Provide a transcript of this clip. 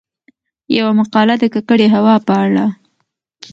يومـقاله د کـکړې هـوا په اړه :